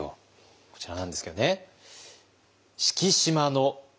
こちらなんですけどね。